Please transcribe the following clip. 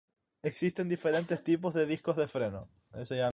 Existen diferentes tipos de discos de freno.